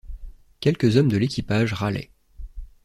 Quelques hommes de l’équipage râlaient.